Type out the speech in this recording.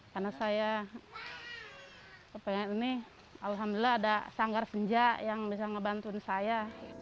karena saya pengen ini alhamdulillah ada sanggar senja yang bisa ngebantuin saya